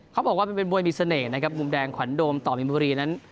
เขาบอกว่ามันเป็นมวยมีเสน่ห์นะครับมุมแดงขวัญโดมต่อมินบุรีนั้น